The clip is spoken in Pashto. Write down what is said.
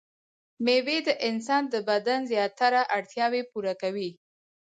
مېوې د انسان د بدن زياتره اړتياوې پوره کوي.